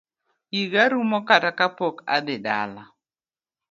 Yiga rumo ka pok adhi kata dala